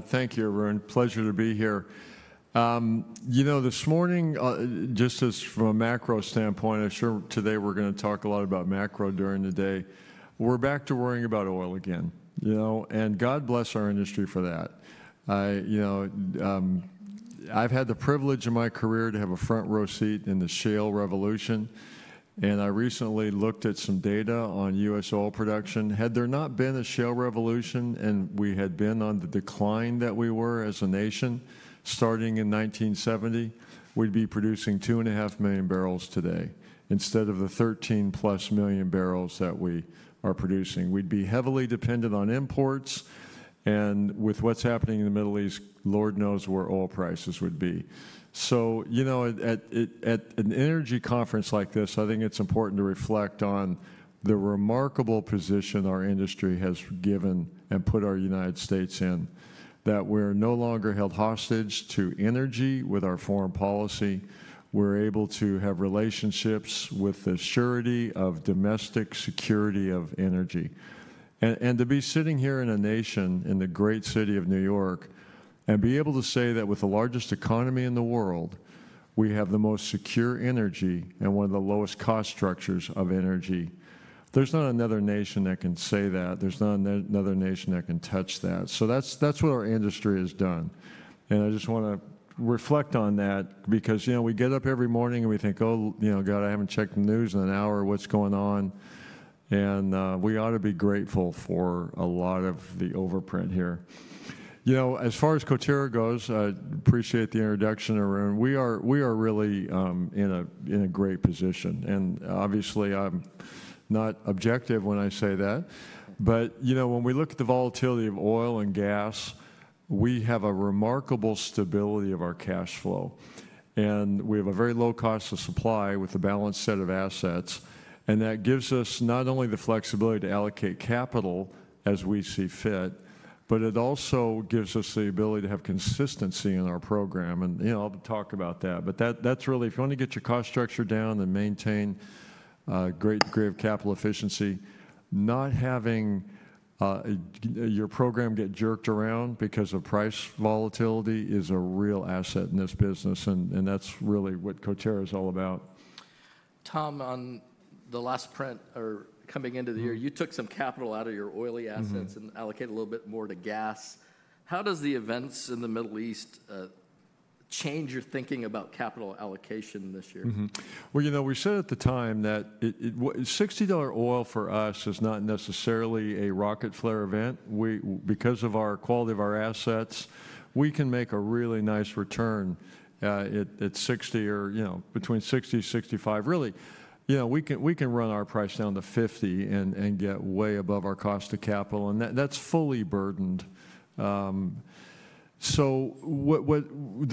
Thank you, everyone. Pleasure to be here. You know, this morning, just as from a macro standpoint, I'm sure today we're going to talk a lot about macro during the day. We're back to worrying about oil again, you know, and God bless our industry for that. I, you know, I've had the privilege in my career to have a front row seat in the shale revolution, and I recently looked at some data on U.S. oil production. Had there not been a shale revolution, and we had been on the decline that we were as a nation starting in 1970, we'd be producing 2.5 million barrels today instead of the 13+ million barrels that we are producing. We'd be heavily dependent on imports, and with what's happening in the Middle East, Lord knows where oil prices would be. You know, at an energy conference like this, I think it's important to reflect on the remarkable position our industry has given and put our United States in, that we're no longer held hostage to energy with our foreign policy. We're able to have relationships with the surety of domestic security of energy. To be sitting here in a nation in the great city of New York and be able to say that with the largest economy in the world, we have the most secure energy and one of the lowest cost structures of energy, there's not another nation that can say that. There's not another nation that can touch that. That's what our industry has done. I just want to reflect on that because, you know, we get up every morning and we think, oh, you know, God, I have not checked the news in an hour, what is going on? We ought to be grateful for a lot of the overprint here. You know, as far as Coterra goes, I appreciate the introduction, everyone. We are really in a great position. Obviously, I am not objective when I say that. You know, when we look at the volatility of oil and gas, we have a remarkable stability of our cash flow. We have a very low cost of supply with a balanced set of assets. That gives us not only the flexibility to allocate capital as we see fit, but it also gives us the ability to have consistency in our program. You know, I will talk about that. If you want to get your cost structure down and maintain a great degree of capital efficiency, not having your program get jerked around because of price volatility is a real asset in this business. That is really what Coterra is all about. Tom, on the last print or coming into the year, you took some capital out of your oily assets and allocated a little bit more to gas. How does the events in the Middle East change your thinking about capital allocation this year? You know, we said at the time that $60 oil for us is not necessarily a rocket flare event. Because of the quality of our assets, we can make a really nice return at $60 or, you know, between $60 and $65. Really, you know, we can run our price down to $50 and get way above our cost of capital. And that's fully burdened. The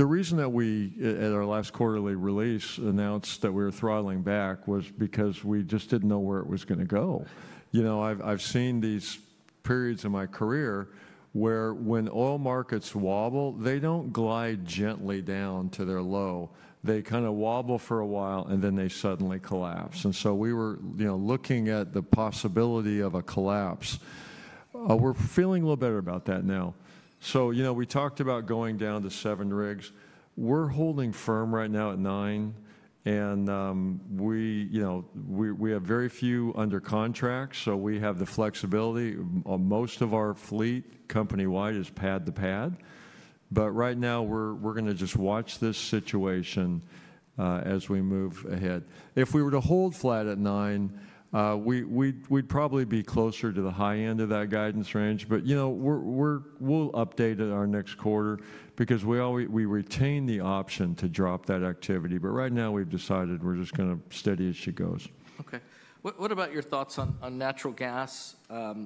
reason that we, at our last quarterly release, announced that we were throttling back was because we just did not know where it was going to go. You know, I have seen these periods in my career where when oil markets wobble, they do not glide gently down to their low. They kind of wobble for a while and then they suddenly collapse. We were, you know, looking at the possibility of a collapse. We are feeling a little better about that now. You know, we talked about going down to seven rigs. We're holding firm right now at nine. And we, you know, we have very few under contracts, so we have the flexibility. Most of our fleet company-wide is pad to pad. Right now, we're going to just watch this situation as we move ahead. If we were to hold flat at nine, we'd probably be closer to the high end of that guidance range. You know, we'll update it our next quarter because we retain the option to drop that activity. Right now, we've decided we're just going to steady as she goes. Okay. What about your thoughts on natural gas?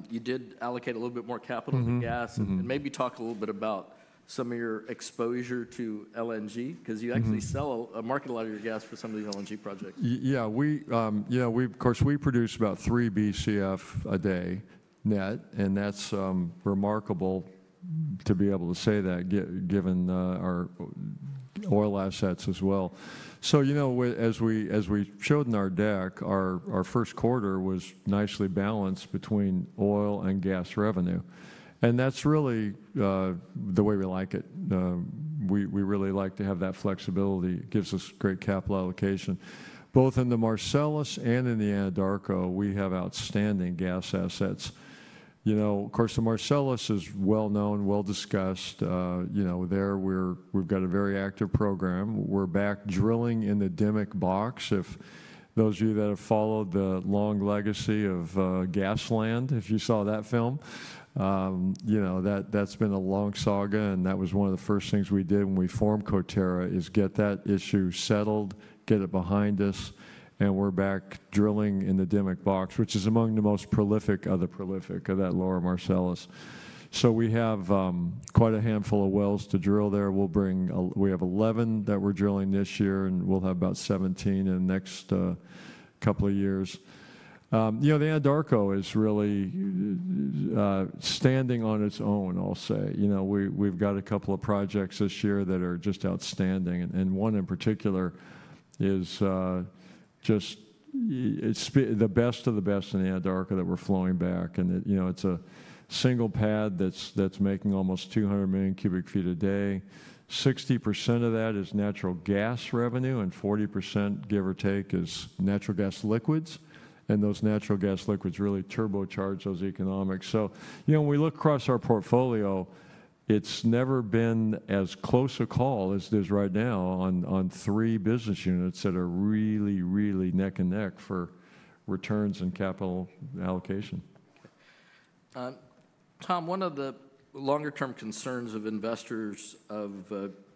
You did allocate a little bit more capital to gas. Maybe talk a little bit about some of your exposure to LNG because you actually sell a market lot of your gas for some of these LNG projects. Yeah, we, you know, of course, we produce about 3 Bcf a day net. And that's remarkable to be able to say that given our oil assets as well. You know, as we showed in our deck, our first quarter was nicely balanced between oil and gas revenue. And that's really the way we like it. We really like to have that flexibility. It gives us great capital allocation. Both in the Marcellus and in the Anadarko, we have outstanding gas assets. You know, of course, the Marcellus is well known, well discussed. You know, there we've got a very active program. We're back drilling in the Dimock box. If those of you that have followed the long legacy of Gasland, if you saw that film, you know, that's been a long saga. That was one of the first things we did when we formed Coterra, is get that issue settled, get it behind us, and we're back drilling in the Dimock box, which is among the most prolific of the prolific of that lower Marcellus. We have quite a handful of wells to drill there. We'll bring, we have 11 that we're drilling this year, and we'll have about 17 in the next couple of years. You know, the Anadarko is really standing on its own, I'll say. You know, we've got a couple of projects this year that are just outstanding. One in particular is just the best of the best in the Anadarko that we're flowing back. You know, it's a single pad that's making almost 200 million cu ft a day. 60% of that is natural gas revenue, and 40%, give or take, is natural gas liquids. Those natural gas liquids really turbocharge those economics. You know, when we look across our portfolio, it's never been as close a call as it is right now on three business units that are really, really neck and neck for returns and capital allocation. Tom, one of the longer-term concerns of investors of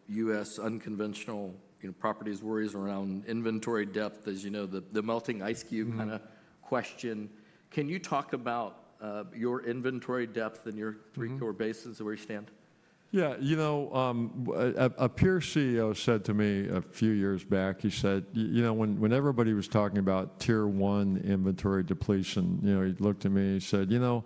U.S. unconventional properties worries around inventory depth, as you know, the melting ice cube kind of question. Can you talk about your inventory depth and your three-core basins and where you stand? Yeah, you know, a peer CEO said to me a few years back, he said, you know, when everybody was talking about tier one inventory depletion, you know, he looked at me and he said, you know,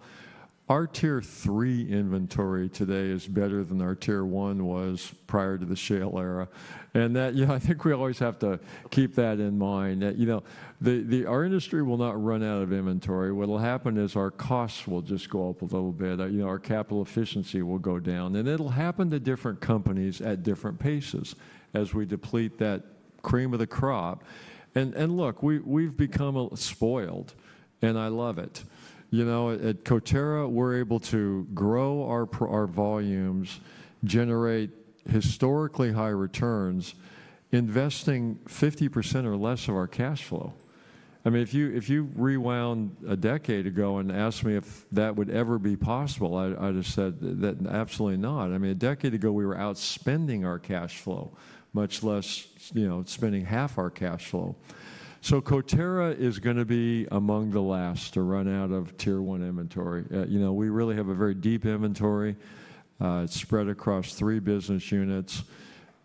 our tier three inventory today is better than our tier one was prior to the shale era. And that, you know, I think we always have to keep that in mind that, you know, our industry will not run out of inventory. What will happen is our costs will just go up a little bit. You know, our capital efficiency will go down. It will happen to different companies at different paces as we deplete that cream of the crop. Look, we've become spoiled, and I love it. You know, at Coterra, we're able to grow our volumes, generate historically high returns, investing 50% or less of our cash flow. I mean, if you rewound a decade ago and asked me if that would ever be possible, I'd have said absolutely not. I mean, a decade ago, we were outspending our cash flow, much less, you know, spending half our cash flow. Coterra is going to be among the last to run out of tier one inventory. You know, we really have a very deep inventory. It's spread across three business units.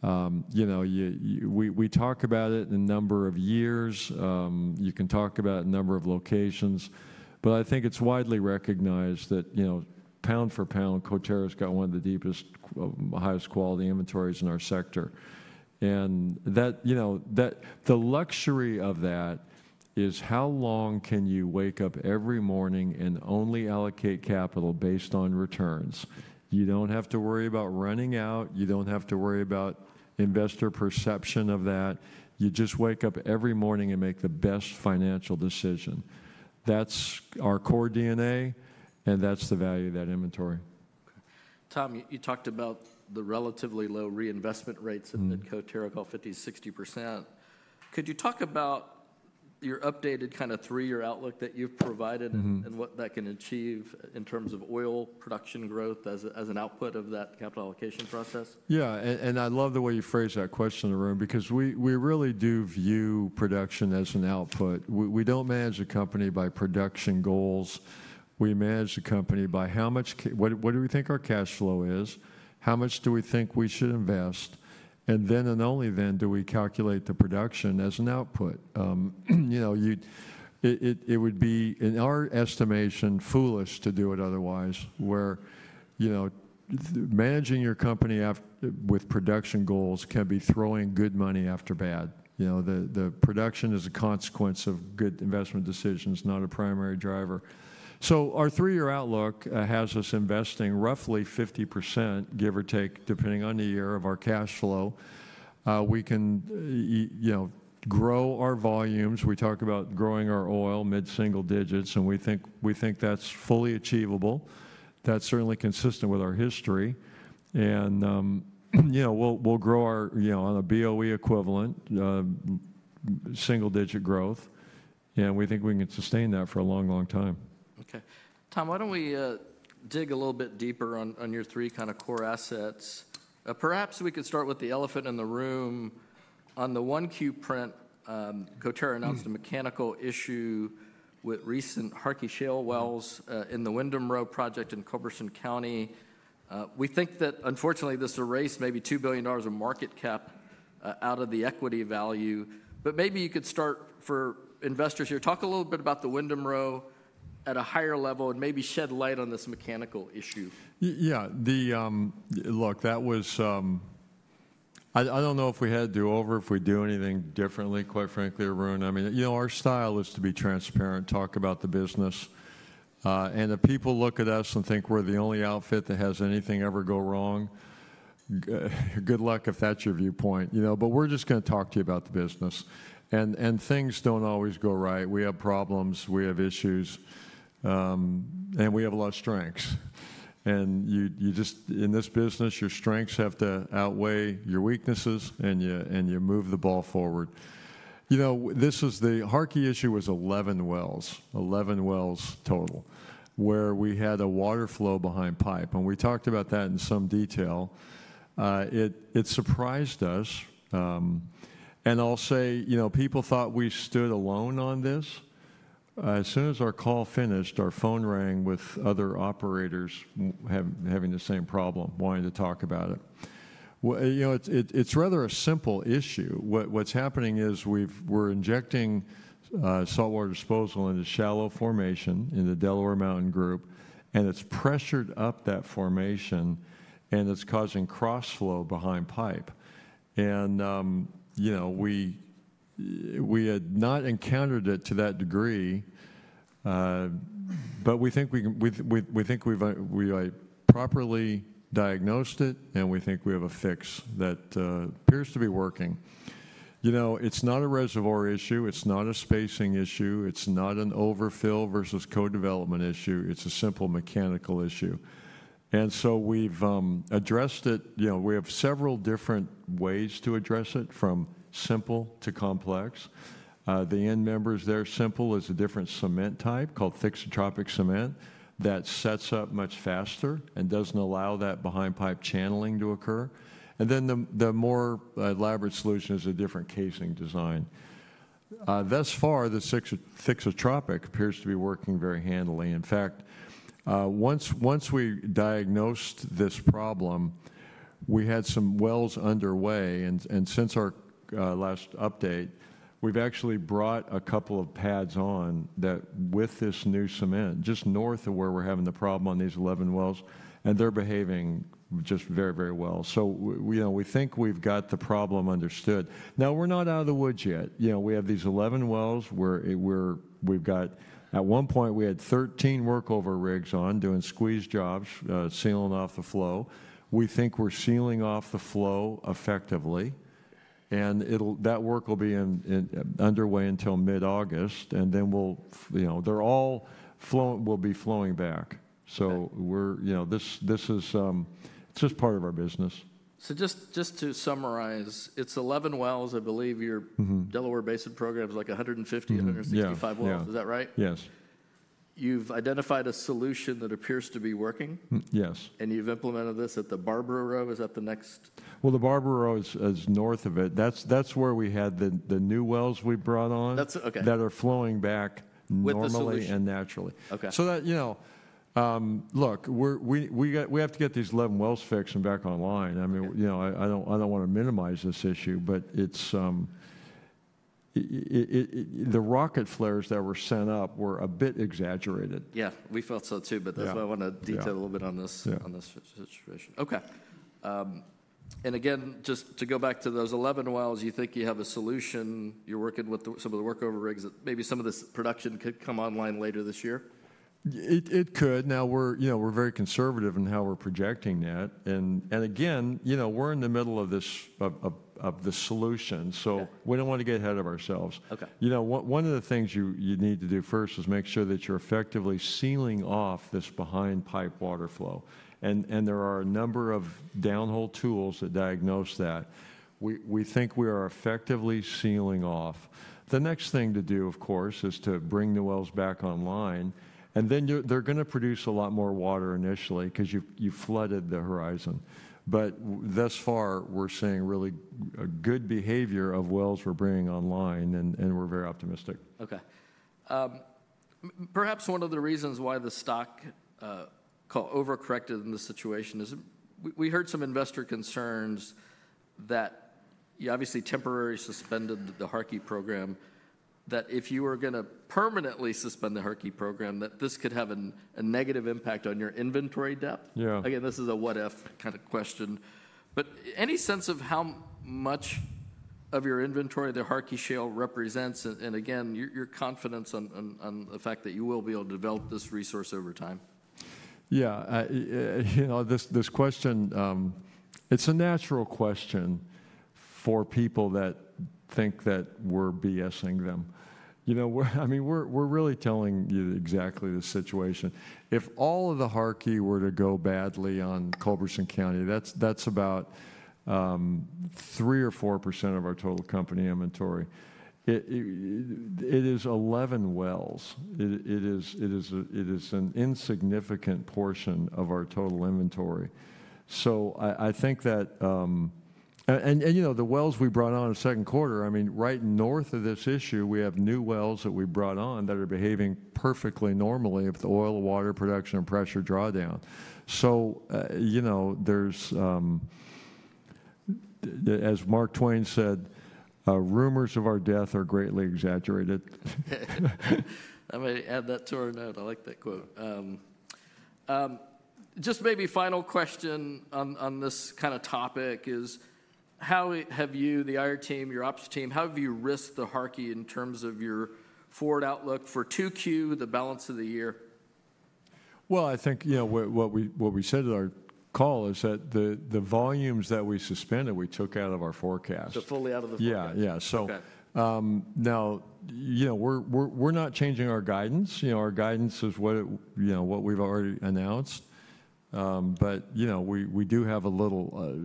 You know, we talk about it in a number of years. You can talk about it in a number of locations. I think it's widely recognized that, you know, pound for pound, Coterra's got one of the deepest, highest quality inventories in our sector. The luxury of that is how long can you wake up every morning and only allocate capital based on returns. You don't have to worry about running out. You don't have to worry about investor perception of that. You just wake up every morning and make the best financial decision. That's our core DNA, and that's the value of that inventory. Tom, you talked about the relatively low reinvestment rates and that Coterra go 50-60%. Could you talk about your updated kind of three-year outlook that you've provided and what that can achieve in terms of oil production growth as an output of that capital allocation process? Yeah, and I love the way you phrased that question, everyone, because we really do view production as an output. We do not manage a company by production goals. We manage a company by how much, what do we think our cash flow is, how much do we think we should invest, and then and only then do we calculate the production as an output. You know, it would be, in our estimation, foolish to do it otherwise, where, you know, managing your company with production goals can be throwing good money after bad. You know, the production is a consequence of good investment decisions, not a primary driver. Our three-year outlook has us investing roughly 50%, give or take, depending on the year of our cash flow. We can, you know, grow our volumes. We talk about growing our oil mid-single digits, and we think that is fully achievable. That's certainly consistent with our history. You know, we'll grow our, you know, on a BOE equivalent single-digit growth. We think we can sustain that for a long, long time. Okay. Tom, why don't we dig a little bit deeper on your three kind of core assets? Perhaps we could start with the elephant in the room. On the 1Q print, Coterra announced a mechanical issue with recent Harkey Shale wells in the Windham Row project in Reeves County. We think that, unfortunately, this erased maybe $2 billion of market cap out of the equity value. Maybe you could start for investors here. Talk a little bit about the Windham Row at a higher level and maybe shed light on this mechanical issue. Yeah, look, that was, I do not know if we had to do over, if we do anything differently, quite frankly, everyone. I mean, you know, our style is to be transparent, talk about the business. If people look at us and think we are the only outfit that has anything ever go wrong, good luck if that is your viewpoint, you know. We are just going to talk to you about the business. Things do not always go right. We have problems, we have issues, and we have a lot of strengths. You just, in this business, your strengths have to outweigh your weaknesses and you move the ball forward. You know, this is the Harkey issue, was 11 wells, 11 wells total, where we had a water flow behind pipe. We talked about that in some detail. It surprised us. I'll say, you know, people thought we stood alone on this. As soon as our call finished, our phone rang with other operators having the same problem, wanting to talk about it. You know, it's rather a simple issue. What's happening is we're injecting saltwater disposal into shallow formation in the Delaware Mountain Group, and it's pressured up that formation, and it's causing crossflow behind pipe. You know, we had not encountered it to that degree, but we think we've properly diagnosed it, and we think we have a fix that appears to be working. You know, it's not a reservoir issue. It's not a spacing issue. It's not an overfill versus co-development issue. It's a simple mechanical issue. We've addressed it. You know, we have several different ways to address it, from simple to complex. The end members, their simple is a different cement type called thixotropic cement that sets up much faster and does not allow that behind pipe channeling to occur. The more elaborate solution is a different casing design. Thus far, the thixotropic appears to be working very handily. In fact, once we diagnosed this problem, we had some wells underway. Since our last update, we have actually brought a couple of pads on that with this new cement, just north of where we are having the problem on these 11 wells. They are behaving just very, very well. You know, we think we have got the problem understood. Now, we are not out of the woods yet. You know, we have these 11 wells where we have got, at one point, we had 13 workover rigs on doing squeeze jobs, sealing off the flow. We think we are sealing off the flow effectively. That work will be underway until mid-August. You know, they're all will be flowing back. You know, this is just part of our business. Just to summarize, it's 11 wells. I believe your Delaware-based program is like 150-165 wells. Is that right? Yes. You've identified a solution that appears to be working. Yes. You've implemented this at the Barbara Row. Is that the next? The Barbara Row is north of it. That's where we had the new wells we brought on that are flowing back normally and naturally. With the solution. Okay. That, you know, look, we have to get these 11 wells fixed and back online. I mean, you know, I do not want to minimize this issue, but the rocket flares that were sent up were a bit exaggerated. Yeah, we felt so too, but I want to detail a little bit on this situation. Okay. Again, just to go back to those 11 wells, you think you have a solution. You're working with some of the workover rigs that maybe some of this production could come online later this year? It could. Now, we're, you know, we're very conservative in how we're projecting that. Again, you know, we're in the middle of this solution. We don't want to get ahead of ourselves. You know, one of the things you need to do first is make sure that you're effectively sealing off this behind pipe water flow. There are a number of downhole tools that diagnose that. We think we are effectively sealing off. The next thing to do, of course, is to bring the wells back online. They're going to produce a lot more water initially because you've flooded the horizon. Thus far, we're seeing really good behavior of wells we're bringing online, and we're very optimistic. Okay. Perhaps one of the reasons why the stock overcorrected in this situation is we heard some investor concerns that you obviously temporarily suspended the Harkey program, that if you were going to permanently suspend the Harkey program, that this could have a negative impact on your inventory depth. Yeah. Again, this is a what-if kind of question. Any sense of how much of your inventory the Harkey Shale represents? Again, your confidence on the fact that you will be able to develop this resource over time? Yeah, you know, this question, it's a natural question for people that think that we're BS-ing them. You know, I mean, we're really telling you exactly the situation. If all of the Harkey were to go badly on Culberson County, that's about 3%-4% of our total company inventory. It is 11 wells. It is an insignificant portion of our total inventory. I think that, and you know, the wells we brought on in the second quarter, I mean, right north of this issue, we have new wells that we brought on that are behaving perfectly normally with the oil, water, production, and pressure drawdown. You know, there's, as Mark Twain said, rumors of our death are greatly exaggerated. I'm going to add that to our note. I like that quote. Just maybe final question on this kind of topic is how have you, the IR team, your ops team, how have you risked the Harkey in terms of your forward outlook for 2Q, the balance of the year? I think, you know, what we said at our call is that the volumes that we suspended, we took out of our forecast. Fully out of the forecast. Yeah, yeah. So now, you know, we're not changing our guidance. You know, our guidance is what we've already announced. But, you know, we do have a little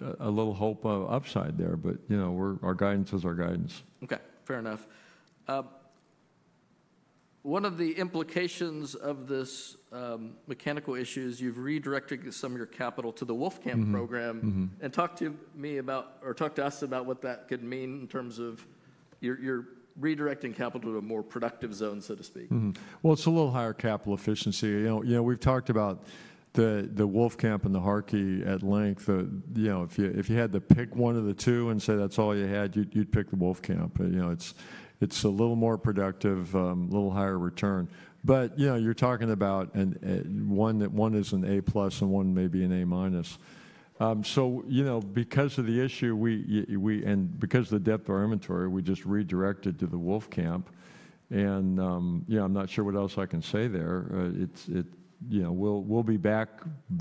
hope of upside there. But, you know, our guidance is our guidance. Okay, fair enough. One of the implications of this mechanical issue is you've redirected some of your capital to the Wolfcamp program and talked to me about, or talked to us about what that could mean in terms of you're redirecting capital to a more productive zone, so to speak. It is a little higher capital efficiency. You know, we have talked about the Wolfcamp and the Harkey at length. You know, if you had to pick one of the two and say that is all you had, you would pick the Wolfcamp. You know, it is a little more productive, a little higher return. You know, you are talking about one is an A plus and one may be an A minus. You know, because of the issue and because of the depth of our inventory, we just redirected to the Wolfcamp. You know, I am not sure what else I can say there. You know, we will be back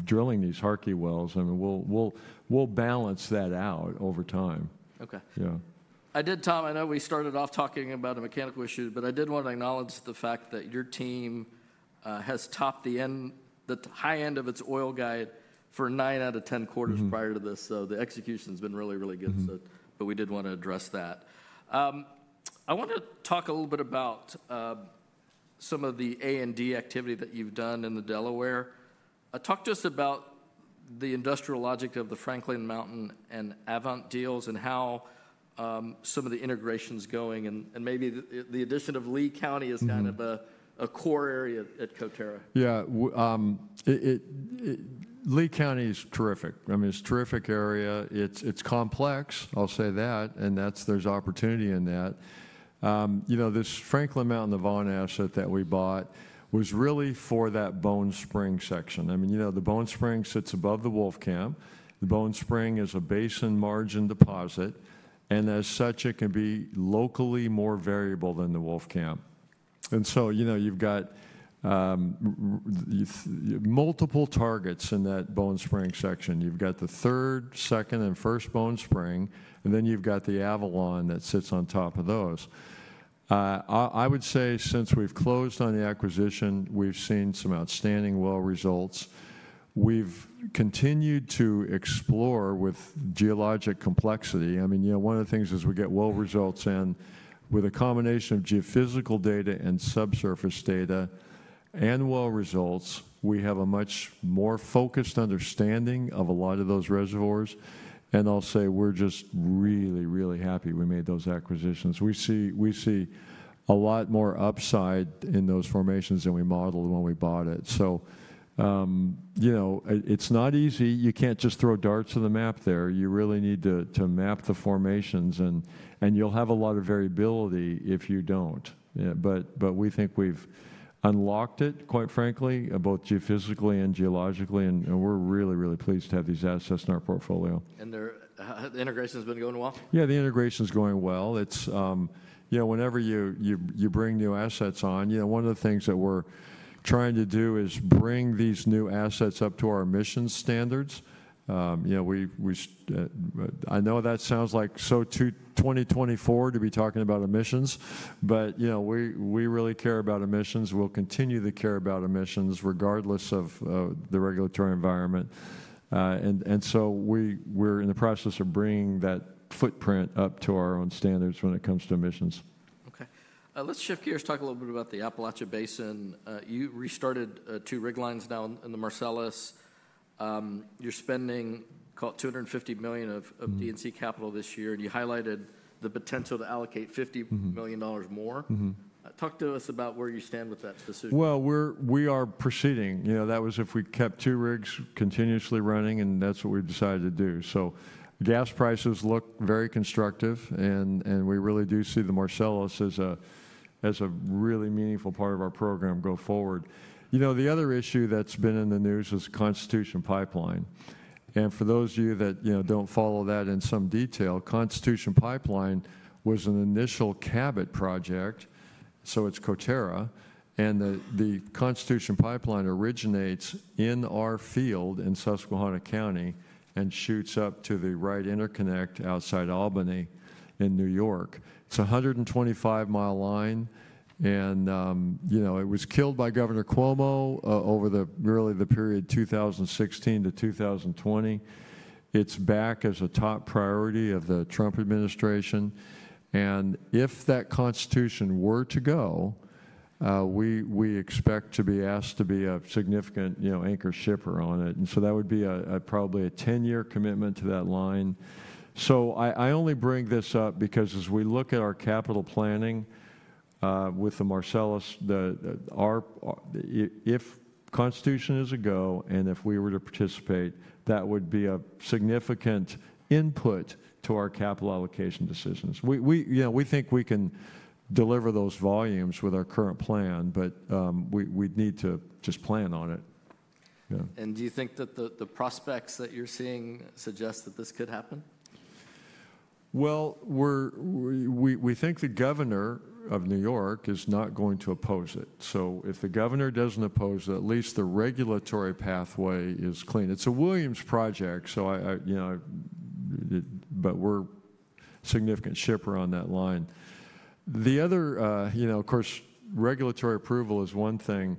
drilling these Harkey wells. I mean, we will balance that out over time. Okay. Yeah. I did, Tom, I know we started off talking about a mechanical issue, but I did want to acknowledge the fact that your team has topped the high end of its oil guide for nine out of ten quarters prior to this. The execution has been really, really good. We did want to address that. I want to talk a little bit about some of the A and D activity that you've done in the Delaware. Talk to us about the industrial logic of the Franklin Mountain and Avant deals and how some of the integration is going. Maybe the addition of Lea County is kind of a core area at Coterra. Yeah, Lea County is terrific. I mean, it's a terrific area. It's complex, I'll say that. And there's opportunity in that. You know, this Franklin Mountain Avant asset that we bought was really for that Bone Spring section. I mean, you know, the Bone Spring sits above the Wolfcamp. The Bone Spring is a basin margin deposit. And as such, it can be locally more variable than the Wolfcamp. And so, you know, you've got multiple targets in that Bone Spring section. You've got the third, second, and first Bone Spring. And then you've got the Avalon that sits on top of those. I would say since we've closed on the acquisition, we've seen some outstanding well results. We've continued to explore with geologic complexity. I mean, you know, one of the things is we get well results in with a combination of geophysical data and subsurface data and well results. We have a much more focused understanding of a lot of those reservoirs. I'll say we're just really, really happy we made those acquisitions. We see a lot more upside in those formations than we modeled when we bought it. You know, it's not easy. You can't just throw darts in the map there. You really need to map the formations. You'll have a lot of variability if you don't. We think we've unlocked it, quite frankly, both geophysically and geologically. We're really, really pleased to have these assets in our portfolio. The integration has been going well? Yeah, the integration is going well. It's, you know, whenever you bring new assets on, you know, one of the things that we're trying to do is bring these new assets up to our emissions standards. You know, I know that sounds like so too 2024 to be talking about emissions. But, you know, we really care about emissions. We'll continue to care about emissions regardless of the regulatory environment. And so we're in the process of bringing that footprint up to our own standards when it comes to emissions. Okay. Let's shift gears. Talk a little bit about the Appalachian Basin. You restarted two rig lines now in the Marcellus. You're spending about $250 million of DNC capital this year. You highlighted the potential to allocate $50 million more. Talk to us about where you stand with that decision. We are proceeding. You know, that was if we kept two rigs continuously running. That is what we have decided to do. Gas prices look very constructive. We really do see the Marcellus as a really meaningful part of our program going forward. You know, the other issue that has been in the news is the Constitution Pipeline. For those of you that, you know, do not follow that in some detail, Constitution Pipeline was an initial Cabot project. It is Coterra. The Constitution Pipeline originates in our field in Susquehanna County and shoots up to the right interconnect outside Albany in New York. It is a 125-mile line. You know, it was killed by Governor Cuomo over really the period 2016 to 2020. It is back as a top priority of the Trump administration. If that Constitution were to go, we expect to be asked to be a significant, you know, anchor shipper on it. That would be probably a 10-year commitment to that line. I only bring this up because as we look at our capital planning with the Marcellus, if Constitution is a go and if we were to participate, that would be a significant input to our capital allocation decisions. You know, we think we can deliver those volumes with our current plan, but we'd need to just plan on it. Do you think that the prospects that you're seeing suggest that this could happen? We think the governor of New York is not going to oppose it. If the governor does not oppose it, at least the regulatory pathway is clean. It is a Williams project. You know, we are a significant shipper on that line. The other, you know, of course, regulatory approval is one thing.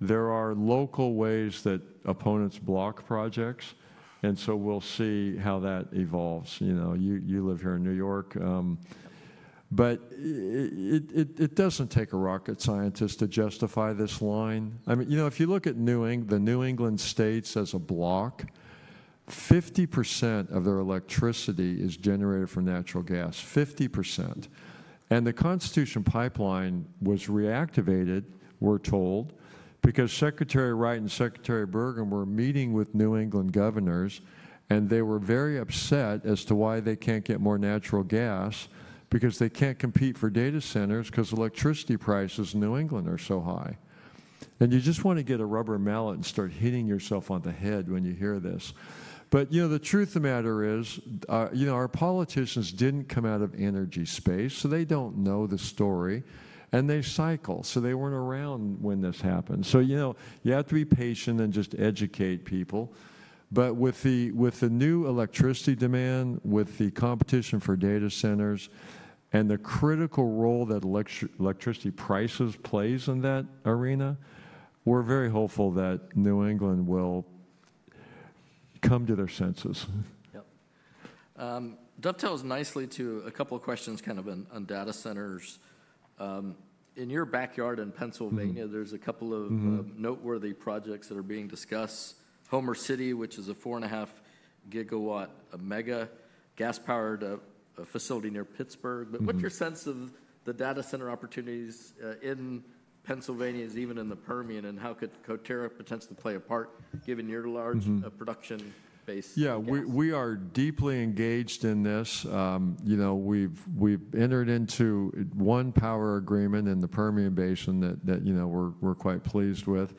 There are local ways that opponents block projects. We will see how that evolves. You know, you live here in New York. It does not take a rocket scientist to justify this line. I mean, you know, if you look at the New England states as a block, 50% of their electricity is generated from natural gas, 50%. The Constitution Pipeline was reactivated, we are told, because Secretary Wright and Secretary Bergen were meeting with New England governors. They were very upset as to why they cannot get more natural gas because they cannot compete for data centers because electricity prices in New England are so high. You just want to get a rubber mallet and start hitting yourself on the head when you hear this. You know, the truth of the matter is, you know, our politicians did not come out of the energy space. They do not know the story. They cycle, so they were not around when this happened. You know, you have to be patient and just educate people. With the new electricity demand, with the competition for data centers, and the critical role that electricity prices play in that arena, we are very hopeful that New England will come to their senses. Yep. Dovetails nicely to a couple of questions kind of on data centers. In your backyard in Pennsylvania, there are a couple of noteworthy projects that are being discussed. Homer City, which is a 4.5 gigawatt mega gas-powered facility near Pittsburgh. What is your sense of the data center opportunities in Pennsylvania, even in the Permian, and how could Coterra potentially play a part given your large production base? Yeah, we are deeply engaged in this. You know, we've entered into one power agreement in the Permian Basin that, you know, we're quite pleased with.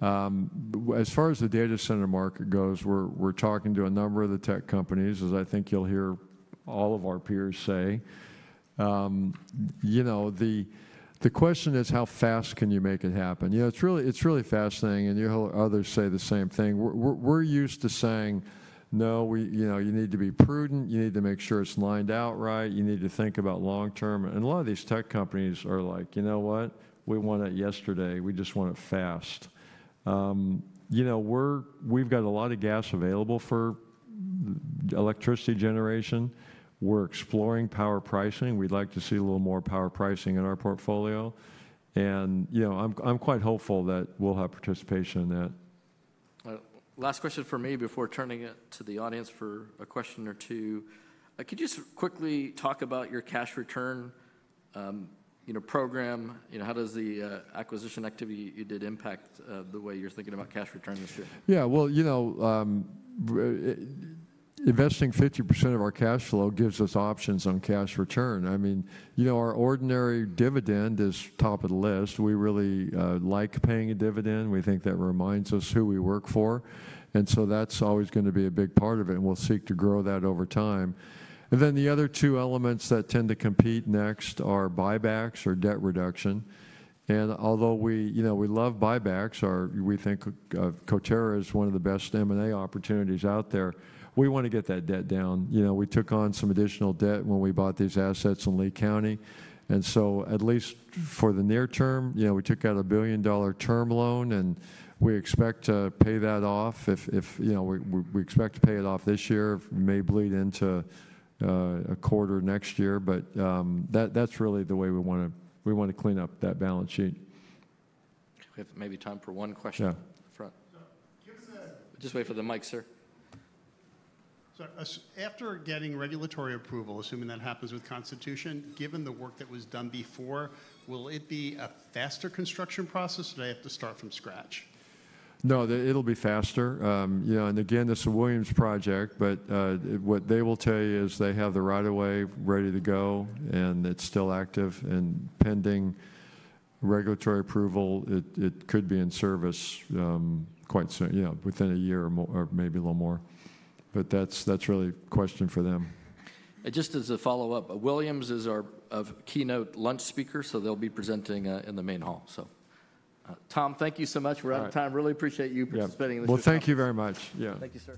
As far as the data center market goes, we're talking to a number of the tech companies, as I think you'll hear all of our peers say. You know, the question is how fast can you make it happen? You know, it's really fascinating. You will hear others say the same thing. We're used to saying, no, you know, you need to be prudent. You need to make sure it's lined out right. You need to think about long term. A lot of these tech companies are like, you know what, we want it yesterday. We just want it fast. You know, we've got a lot of gas available for electricity generation. We're exploring power pricing. We'd like to see a little more power pricing in our portfolio. You know, I'm quite hopeful that we'll have participation in that. Last question for me before turning it to the audience for a question or two. Could you just quickly talk about your cash return, you know, program? You know, how does the acquisition activity you did impact the way you're thinking about cash return this year? Yeah, you know, investing 50% of our cash flow gives us options on cash return. I mean, you know, our ordinary dividend is top of the list. We really like paying a dividend. We think that reminds us who we work for. That is always going to be a big part of it. We will seek to grow that over time. The other two elements that tend to compete next are buybacks or debt reduction. Although we, you know, we love buybacks, we think Coterra is one of the best M&A opportunities out there. We want to get that debt down. You know, we took on some additional debt when we bought these assets in Lea County. At least for the near term, you know, we took out a $1 billion term loan. We expect to pay that off. If, you know, we expect to pay it off this year, may bleed into a quarter next year. That is really the way we want to clean up that balance sheet. We have maybe time for one question up front. Just wait for the mic, sir. After getting regulatory approval, assuming that happens with Constitution, given the work that was done before, will it be a faster construction process or do they have to start from scratch? No, it'll be faster. You know, and again, it's a Williams project. What they will tell you is they have the right of way ready to go. It's still active. Pending regulatory approval, it could be in service quite soon, you know, within a year or maybe a little more. That's really a question for them. Williams is our keynote lunch speaker. They will be presenting in the main hall. Tom, thank you so much for your time. Really appreciate you participating in this panel. Thank you very much. Yeah. Thank you, sir.